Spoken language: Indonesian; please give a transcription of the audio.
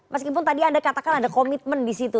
meskipun tadi anda katakan ada komitmen di situ